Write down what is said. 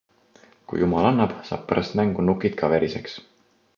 Kui jumal annab, saab pärast mängu nukid ka veriseks.